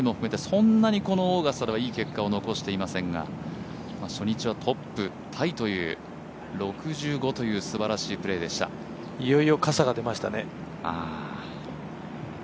そんなにこのオーガスタではいい結果を残していませんが初日はトップタイという６５というすばらしいプレーでしたいよいよ傘が出ましたね。